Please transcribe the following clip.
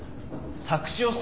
作詞をさ。